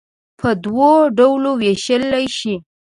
په دوو ډلو ووېشل شي.